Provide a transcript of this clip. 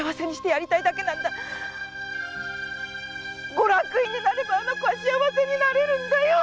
ご落胤になればあの子は幸せになれるんだよ！